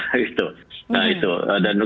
nah itu dan